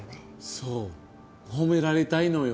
そう褒められたいのよ。